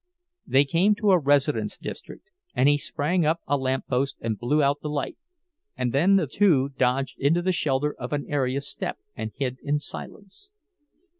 They came to a residence district, and he sprang up a lamppost and blew out the light, and then the two dodged into the shelter of an area step and hid in silence.